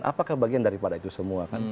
apakah bagian daripada itu semua kan